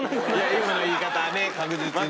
今の言い方はね確実に。